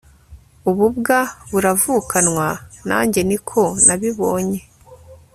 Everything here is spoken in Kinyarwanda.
ububwa buravukanwa nanjye niko nabibonye